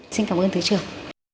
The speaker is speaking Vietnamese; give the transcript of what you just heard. xin cảm ơn thứ trưởng